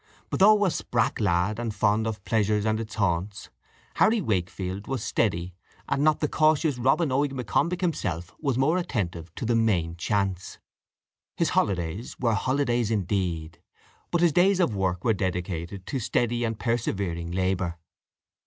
But though a "sprack" lad, and fond of pleasure and its haunts, Harry Wakefield was steady, and not the cautious Robin Oig M'Combich himself was more attentive to the main chance. His holidays were holidays indeed; but his days of work were dedicated to steady and persevering labour.